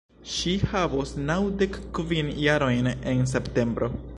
Ŝi havos naŭdek kvin jarojn en septembro.